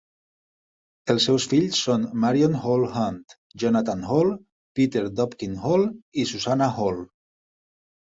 Els seus fills són Marion Hall Hunt, Jonathan Hall, Peter Dobkin Hall i Susannah Hall.